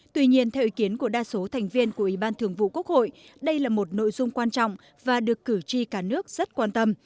tuy nhiên theo ý kiến của đa số thành viên của ủy ban thường vụ quốc hội đây là một nội dung quan trọng và được cử tri cả nước rất quan tâm